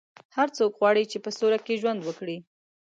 هر څوک غواړي چې په سوله کې ژوند وکړي.